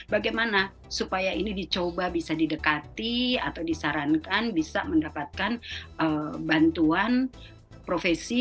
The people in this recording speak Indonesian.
bagaimana supaya ini dicoba bisa didekati atau disarankan bisa mendapatkan bantuan profesi